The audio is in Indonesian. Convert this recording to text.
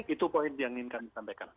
itu poin yang ingin kami sampaikan